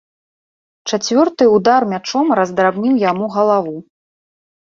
Чацвёрты ўдар мячом раздрабніў яму галаву.